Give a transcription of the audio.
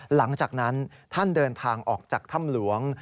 หลังจากนั้นท่านเดินทางออกจากถ้ำหลวง